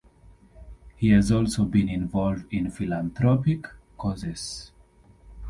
He has also been involved in philanthropic causes.